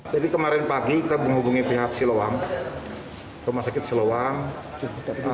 jadi kemarin pagi kita menghubungi pihak siluam rumah sakit siluam